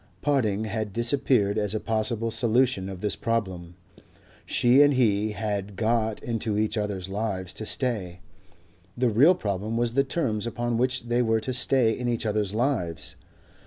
Parting had disappeared as a possible solution of this problem. She and he had got into each other's lives to stay: the real problem was the terms upon which they were to stay in each other's lives.